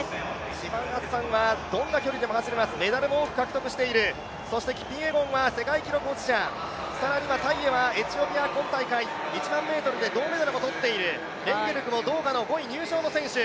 シファン・ハッサンはどんな距離でも走ります、メダルも多く獲得している、そしてキピエゴンは世界記録保持者、さらにはタイエはエチオピア、今大会、１００００ｍで銅メダルも取っている、レンゲルクもドーハの５位入賞の選手。